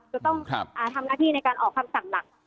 จะต้องทำหน้าที่ในการออกคำสั่งหลัก